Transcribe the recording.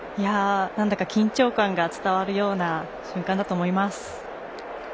なんだか緊張感が伝わるような瞬間だと思います。